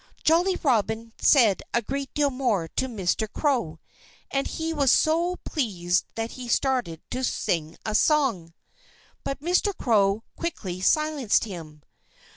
Jolly Robin said a great deal more to Mr. Crow. And he was so pleased that he started to sing a song. But Mr. Crow quickly silenced him.